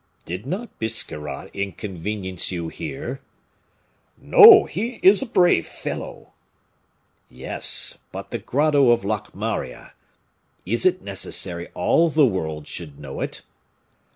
"Did not Biscarrat inconvenience you here?" "No; he is a brave fellow." "Yes; but the grotto of Locmaria is it necessary all the world should know it?"